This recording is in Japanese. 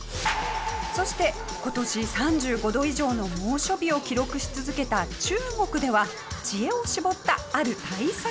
そして今年３５度以上の猛暑日を記録し続けた中国では知恵を絞ったある対策が。